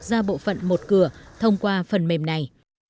ra bộ phận một cửa thông qua phần mềm này